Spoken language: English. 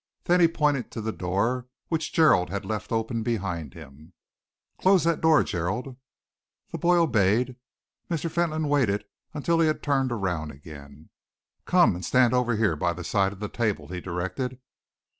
Then he pointed to the door, which Gerald had left open behind him. "Close that door, Gerald." The boy obeyed. Mr. Fentolin waited until he had turned around again. "Come and stand over here by the side of the table," he directed.